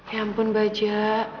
ya ampun baja